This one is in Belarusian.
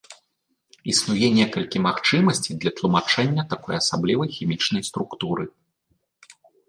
Існуе некалькі магчымасцей для тлумачэння такой асаблівай хімічнай структуры.